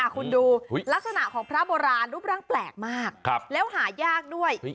คุณดูลักษณะของพระโบราณรูปร่างแปลกมากแล้วหายากด้วย